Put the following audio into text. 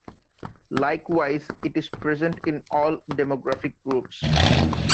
Likewise, it is present in all demographic groups.